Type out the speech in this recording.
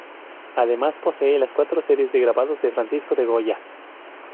Además posee las cuatro series de grabados de Francisco de Goya.